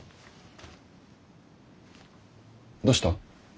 どうした？